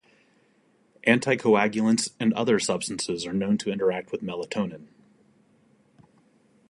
Anticoagulants and other substances are known to interact with melatonin.